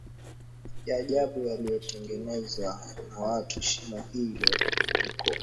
ya ajabu yaliyotengenezwa na watu Shimo hilo liko